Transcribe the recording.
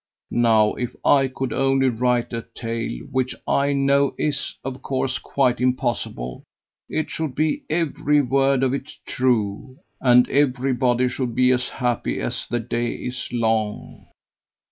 Now if I could only write a tale, which I know is, of course, quite impossible, it should be every word of it true, and everybody should be as happy as the day is long."